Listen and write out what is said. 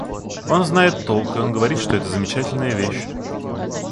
Он знает толк, и он говорит, что это замечательная вещь.